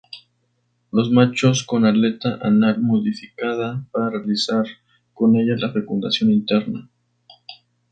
Los machos con aleta anal modificada para realizar con ella la fecundación interna.